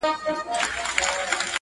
او هیڅ وخت راسره نشته